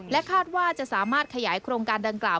คาดว่าจะสามารถขยายโครงการดังกล่าว